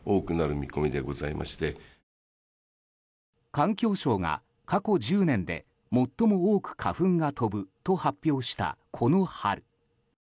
環境省が、過去１０年で最も多く花粉が飛ぶと発表した、この春。